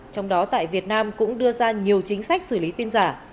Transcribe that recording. trong đó tại việt nam cũng đưa ra nhiều chính sách xử lý tin giả